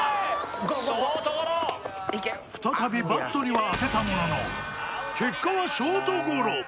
ショートゴロ再びバットには当てたものの結果はショートゴロ